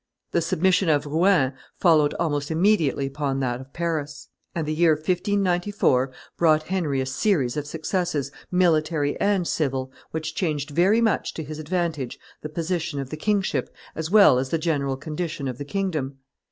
The submission of Rouen followed almost immediately upon that of Paris; and the year 1594 brought Henry a series of successes, military and civil, which changed very much to his advantage the position of the kingship as well as the general condition of the kingdom.